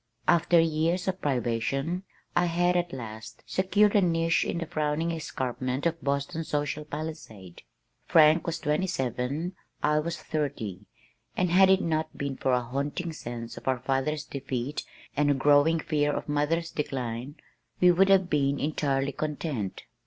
After years of privation, I had, at last, secured a niche in the frowning escarpment of Boston's social palisade. Frank was twenty seven, I was thirty, and had it not been for a haunting sense of our father's defeat and a growing fear of mother's decline, we would have been entirely content.